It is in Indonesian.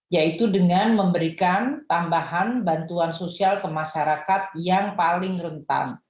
yaitu dengan memberikan tambahan bantuan sosial ke masyarakat yang paling rentan